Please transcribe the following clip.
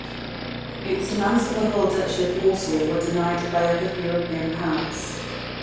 Its demands for the whole Duchy of Warsaw were denied by other European powers.